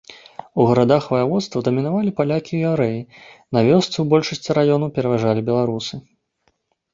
У гарадах ваяводства дамінавалі палякі і яўрэі, на вёсцы ў большасці раёнаў пераважалі беларусы.